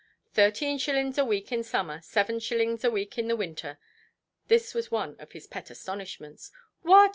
"Thirteen shillings a week in summer, seven shillings a week in the winter". This was one of his pet astonishments. "What!